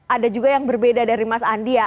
ada juga yang berbeda dari mas andi ya